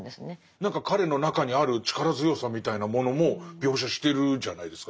何か彼の中にある力強さみたいなものも描写してるじゃないですか。